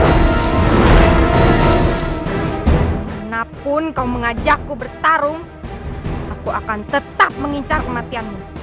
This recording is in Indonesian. walaupun kau mengajakku bertarung aku akan tetap mengincar kematianmu